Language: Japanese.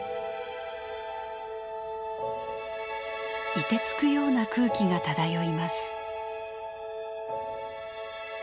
いてつくような空気が漂います。